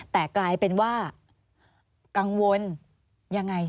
แต่กลายเป็นว่ากังวลยังไง